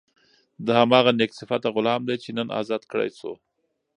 دا هماغه نېک صفته غلام دی چې نن ازاد کړای شو.